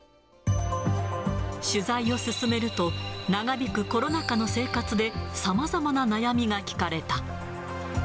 取材を進めると、長引くコロナ禍の生活で、さまざまな悩みが聞かれた。